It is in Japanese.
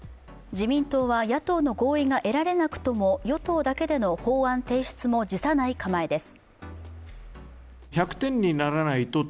自民党は野党の合意が得られなくとも与党だけでの法案提出も辞さない構えです。